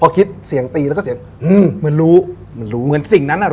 พอคิดเสียงตีแล้วก็เสียงอืมเหมือนรู้เหมือนรู้เหมือนสิ่งนั้นอ่ะ